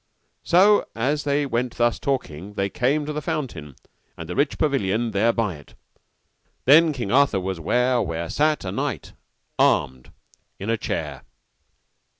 So as they went thus talking they came to the fountain, and the rich pavilion there by it. Then King Arthur was ware where sat a knight armed in a chair.